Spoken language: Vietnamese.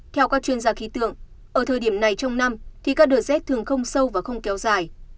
theo các chuyên gia khí tượng ở thời điểm này trong năm thì các đợt rét thường không sâu và không kéo dài